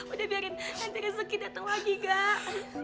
udah biarin nanti rezeki datang lagi gak